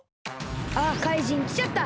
あっかいじんきちゃった！